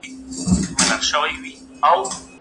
ميتافزيکي مرحله کي عقل ځای نيسي.